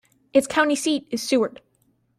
Its county seat is Seward.